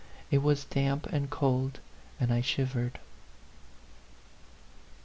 It was damp and cold, and 1 shivered, VI.